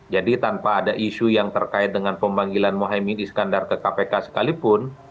jadi tanpa ada isu yang terkait dengan pemanggilan mohaimin iskandar ke kpk sekalipun